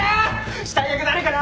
死体役誰かな！？